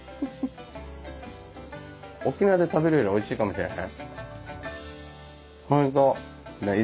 沖縄で食べるよりおいしいかもしれない。